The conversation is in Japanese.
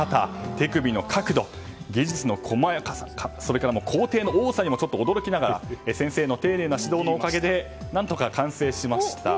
手首の角度技術の細かさそれから工程の多さに驚きながら先生の丁寧な指導のおかげで何とか完成しました。